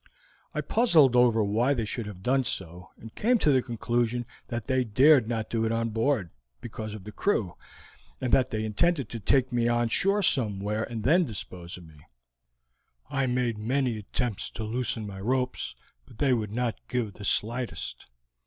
"I puzzled over why they should have done so, and came to the conclusion that they dared not do it on board, because of the crew, and that they intended to take me on shore somewhere, and there dispose of me. I made many attempts to loosen my ropes, but they would not give the slightest.